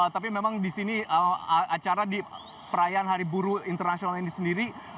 tapi memang di sini acara di perayaan hari buruh internasional ini sendiri